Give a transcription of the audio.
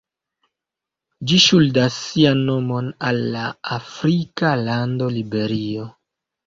Ĝi ŝuldas sian nomon al la afrika lando Liberio.